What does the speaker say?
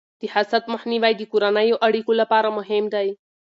د حسد مخنیوی د کورنیو اړیکو لپاره مهم دی.